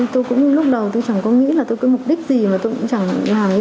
tôi cũng như lúc đầu tôi chẳng có nghĩ là tôi có mục đích gì mà tôi cũng chẳng làm cái gì nó ấy cả